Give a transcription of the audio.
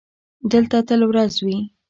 دلته تل ورځ وي.